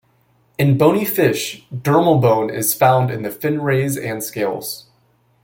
In bony fish, dermal bone is found in the fin rays and scales.